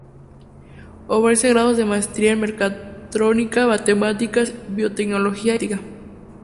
Ofrece grados de maestría en Mecatrónica, Matemáticas, biotecnología y la informática.